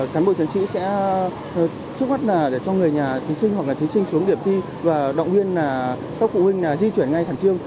chị sẽ chúc mắt để cho người nhà thí sinh hoặc là thí sinh xuống điểm thi và động viên các cụ huynh di chuyển ngay thẳng trương